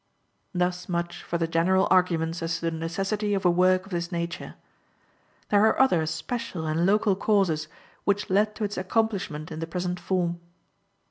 Thus much for the general arguments as to the necessity of a work of this nature. There are other special and local causes which led to its accomplishment in the present form.